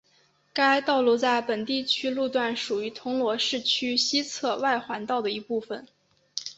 该道路在本地区路段属于铜锣市区西侧外环道的一部分。